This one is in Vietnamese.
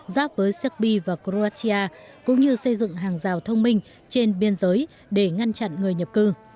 giáp với serbia và croatia cũng như xây dựng hàng rào thông minh trên biên giới để ngăn chặn người nhập cư